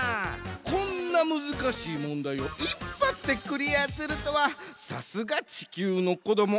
こんなむずかしいもんだいをいっぱつでクリアするとはさすが地球のこども